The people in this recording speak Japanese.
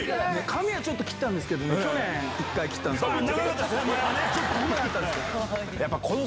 髪はちょっと切ったんですけどね、去年、一回切ったんですけど。